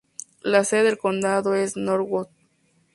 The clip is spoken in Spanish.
La sede del condado es Northwood.